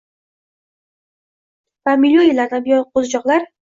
Va million yillardan buyon qo‘zichoqlar